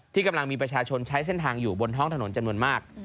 กำลังมีประชาชนใช้เส้นทางอยู่บนท้องถนนจำนวนมาก